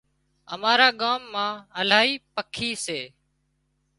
امارا ڳام مان الاهي پکي سي